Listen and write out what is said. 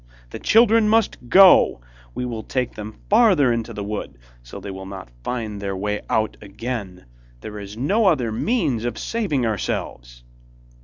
The children must go, we will take them farther into the wood, so that they will not find their way out again; there is no other means of saving ourselves!